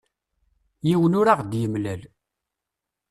Yiwen ur aɣ-d-yemlal.